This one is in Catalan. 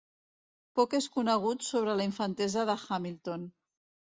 Poc és conegut sobre la infantesa de Hamilton.